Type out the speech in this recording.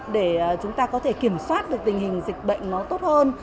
để chúng ta có thể kiểm soát được tình hình dịch bệnh nó tốt hơn